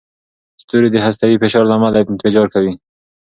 ستوري د هستوي فشار له امله انفجار کوي.